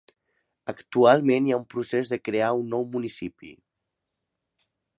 Actualment hi ha un procés de crear un nou municipi.